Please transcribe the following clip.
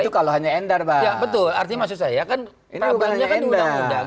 itu kalau hanya endar bang